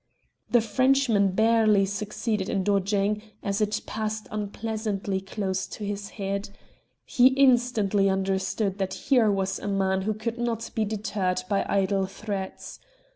The Frenchman barely succeeded in dodging, as it passed unpleasantly close to his head. He instantly understood that here was a man who could not be deterred by idle threats.